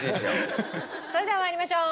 それでは参りましょう。